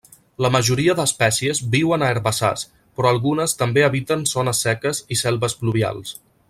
La majoria d'espècies viuen a herbassars, però algunes també habiten zones seques i selves pluvials.